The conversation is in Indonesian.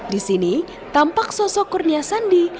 di sini tampak sosok kurnia sandi